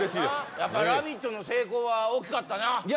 やっぱ「ラヴィット！」の成功は大きかったないや